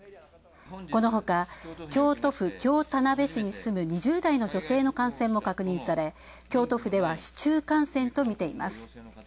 このほか、京都府京田辺市に住む２０代の女性の感染も確認され京都府では市中感染とみています。